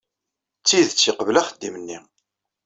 D tidet yeqbel axeddim-nni.